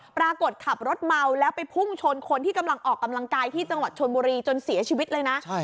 ปรากฏขับรถเมาแล้วไปพุ่งชนคนที่กำลังออกกำลังกายที่จังหวัดชนบุรีจนเสียชีวิตเลยนะ